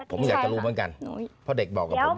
ผมอยากจะรู้เหมือนกันเพราะเด็กบอกกับผม